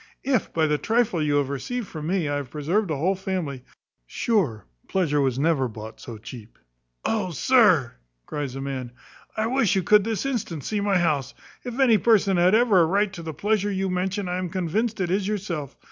"If, by the trifle you have received from me, I have preserved a whole family, sure pleasure was never bought so cheap." "Oh, sir!" cries the man, "I wish you could this instant see my house. If any person had ever a right to the pleasure you mention, I am convinced it is yourself.